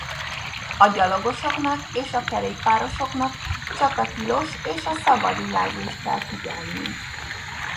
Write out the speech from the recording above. A gyalogosoknak és a kerékpárosoknak csak a tilos és a szabad jelzést kell figyelniük.